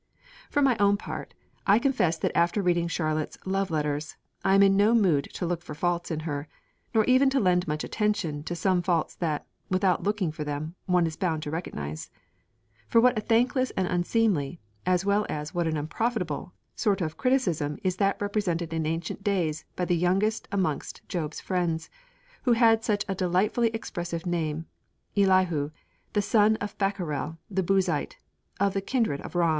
For my own part, I confess that after reading Charlotte's Love letters, I am in no mood to look for faults in her, nor even to lend much attention to some faults that, without looking for them, one is bound to recognise. For what a thankless and unseemly, as well as what an unprofitable, sort of criticism is that represented in ancient days by the youngest amongst Job's Friends, who had such a delightfully expressive name, Elihu, the son of Barachel the Buzite, of the kindred of Ram!